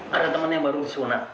ada teman yang baru disunat